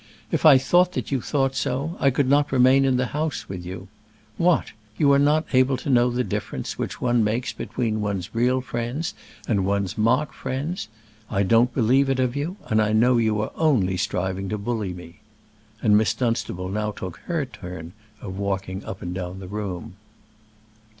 If I thought that you thought so, I could not remain in the house with you. What! you are not able to know the difference which one makes between one's real friends and one's mock friends! I don't believe it of you, and I know you are only striving to bully me." And Miss Dunstable now took her turn of walking up and down the room.